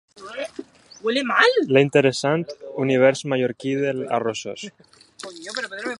l'interessant univers mallorquí dels arrossos